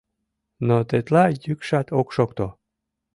Но тетла йӱкшат ок шокто.